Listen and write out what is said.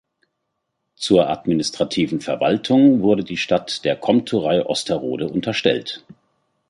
Zur administrativen Verwaltung wurde die Stadt der Komturei Osterode unterstellt.